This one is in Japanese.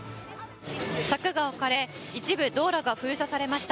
柵が置かれ一部、道路が封鎖されました。